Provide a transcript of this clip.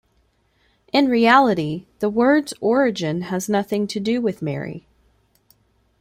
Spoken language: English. In reality, the word's origin has nothing to do with Mary.